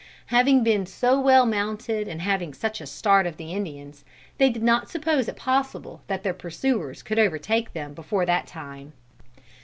Having been so well mounted and having such a start of the Indians, they did not suppose it possible that their pursuers could overtake them before that time.